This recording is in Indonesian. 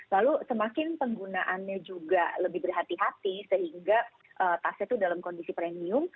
lalu semakin penggunaannya juga lebih berhati hati sehingga tasnya itu dalam kondisi premium